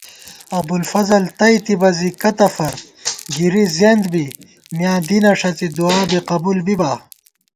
ابُوالفضل تئیتِبہ زی کتہ فَر گِری زیَنت بی مِیاں دینہ ݭڅی دُعا بی قبُول بِبا